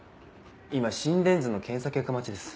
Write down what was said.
今心電図の検査結果待ちです。